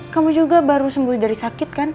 kamu juga baru sembuh dari sakit kan